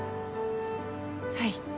はい。